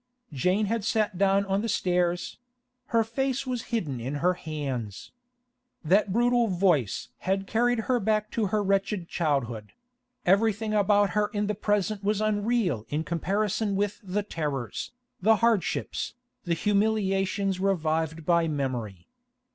Jane had sat down on the stairs; her face was hidden in her hands. That brutal voice had carried her back to her wretched childhood; everything about her in the present was unreal in comparison with the terrors, the hardships, the humiliations revived by memory.